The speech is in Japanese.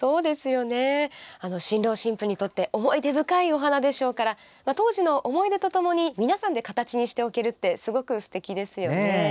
新郎新婦にとって思い出深いお花でしょうから当時の思い出とともに皆さんで形にしておけるってすごくすてきですよね。